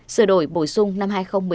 sửa đổi bổ sung năm hai nghìn một mươi năm